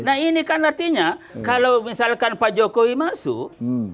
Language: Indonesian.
nah ini kan artinya kalau misalkan pak jokowi masuk